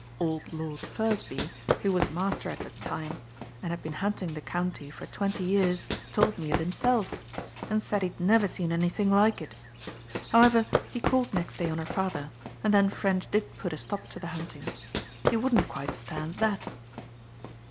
"Old Lord Furzeby, who was Master at that time, and had been hunting the county for twenty years, told me it himself; and said he'd never seen anything like it. However, he called next day on her father, and then Ffrench did put a stop to the hunting. He wouldn't quite stand that."